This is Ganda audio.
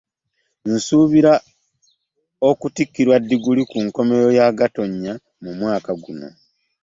Nsubira okutikkirwa diguli ku nkomero ya Gatonnya mu mwaka ogujja.